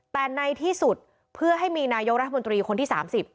แต่ในที่สุดเพื่อให้มีนายกรัฐมนตรีคนที่๓๐